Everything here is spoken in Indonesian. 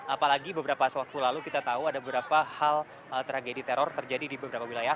apalagi beberapa waktu lalu kita tahu ada beberapa hal tragedi teror terjadi di beberapa wilayah